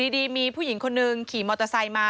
ดีมีผู้หญิงคนหนึ่งขี่มอเตอร์ไซค์มา